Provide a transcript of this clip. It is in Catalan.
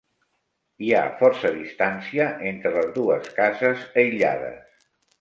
Hi ha força distància entre les dues cases aïllades.